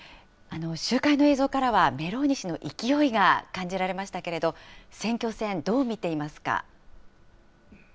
集会の映像からは、メローニ氏の勢いが感じられましたけれど、選挙戦、どう見ていますか。